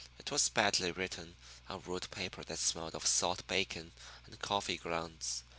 It was badly written on ruled paper that smelled of salt bacon and coffee grounds.